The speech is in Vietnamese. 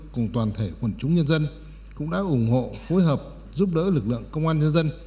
cùng toàn thể quần chúng nhân dân cũng đã ủng hộ phối hợp giúp đỡ lực lượng công an nhân dân